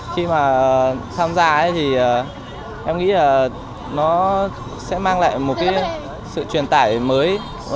khi mà tham gia thì em nghĩ là nó sẽ mang lại một cái sự truyền tải mới